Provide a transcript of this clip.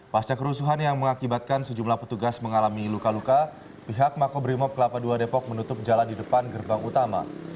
pasca kerusuhan yang mengakibatkan sejumlah petugas mengalami luka luka pihak makobrimob kelapa ii depok menutup jalan di depan gerbang utama